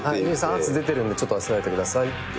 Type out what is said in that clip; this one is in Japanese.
圧出てるんでちょっと抑えてくださいって。